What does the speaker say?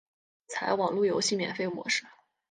采网路游戏免费模式。